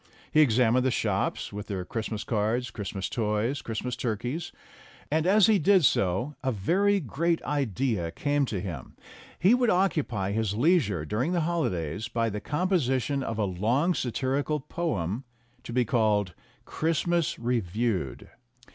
He examined the shops, with their Christmas cards, Christmas toys, Christmas turkeys. And, as he did so, a very great idea came to him. He would occupy his leisure during the holidays by the composition of a long, satirical poem, to be called "Christmas Re THE BOY AND THE PESSIMIST 105 viewed."